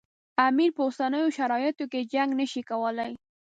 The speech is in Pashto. امیر په اوسنیو شرایطو کې جنګ نه شي کولای.